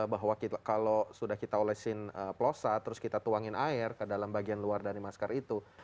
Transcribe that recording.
bahwa kalau sudah kita olesin plosa terus kita tuangin air ke dalam bagian luar dari masker itu